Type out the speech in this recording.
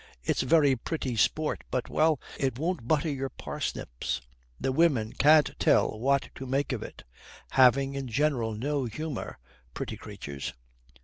It's very pretty sport, but well, it won't butter your parsnips. The women can't tell what to make of it. Having, in general, no humour, pretty creatures."